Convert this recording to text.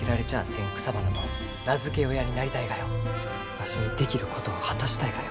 わしにできることを果たしたいがよ。